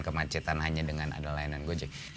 kemacetan hanya dengan ada layanan gojek